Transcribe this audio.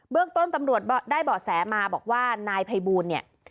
เรื่องต้นตำรวจได้เบาะแสมาบอกว่านายภัยบูลเนี่ย